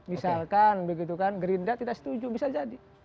misalkan begitu kan gerindra tidak setuju bisa jadi